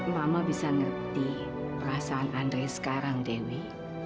mama bisa ngerti perasaan andre sekarang dewi